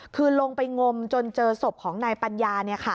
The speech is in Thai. คือลงไปงมจนเจอศพของนายปัญญา